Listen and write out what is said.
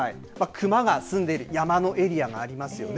クマが住んでいる山のエリアがありますよね。